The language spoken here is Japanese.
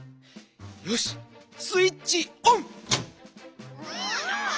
よしスイッチオン！